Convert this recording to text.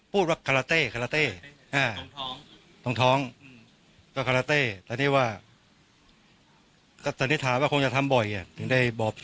เห็นก็พูดว่าจะคำถองก็ได้ว่าก็สันนิษฐาว่าคงจะทำบ่อยอ่ะ